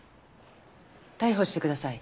逮捕してください。